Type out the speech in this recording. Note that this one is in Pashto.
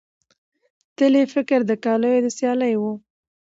تل یې فکر د کالیو د سیالۍ وو